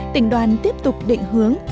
tình đoàn tiếp tục định hướng